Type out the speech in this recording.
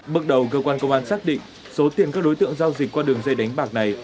bước đầu cơ quan công an xác định số tiền các đối tượng giao dịch qua đường dây đánh bạc này